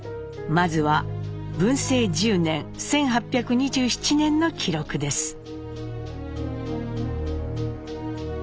まずは文政１０年１８２７年の記録です。